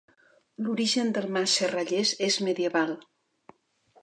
L'origen del Mas Serrallers és medieval.